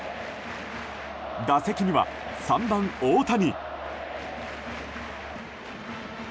打席には３番、大谷。